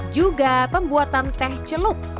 juga pembuatan teh celup